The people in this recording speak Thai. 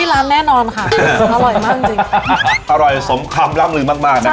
หรืออร่อยสมคำร่ำนึงมากนะครับ